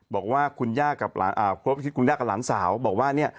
บอกว่าคุณย่ากับหลานสาวบอกว่าเนี่ย